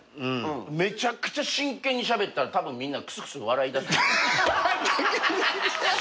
めちゃくちゃ真剣にしゃべったらたぶんみんなクスクス笑いだす。